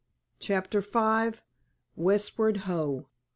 *CHAPTER V* *WESTWARD HO!